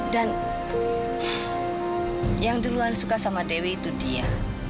dan yang duluan suka sama dewi itu dia